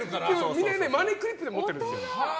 みんなマネークリップで持ってるんですよ。